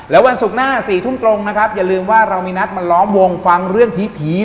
แล้ววันศุกร์หน้า๔ทุ่มตรงนะครับอย่าลืมว่าเรามีนัดมาล้อมวงฟังเรื่องผี